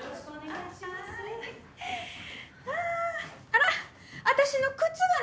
あら？